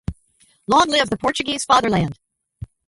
Long live the Portuguese Fatherland!